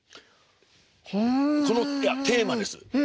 いやテーマです。